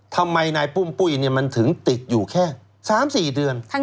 ทำไมนายปุ้มปุ้ยมันถึงติดอยู่แค่๓๔เดือน